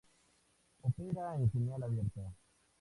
Opera en señal abierta.